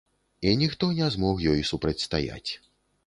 І ніхто не змог ёй супрацьстаяць.